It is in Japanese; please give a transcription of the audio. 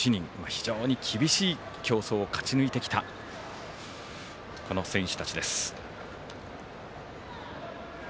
非常に厳しい競争を勝ち抜いてきたこの選手たちです。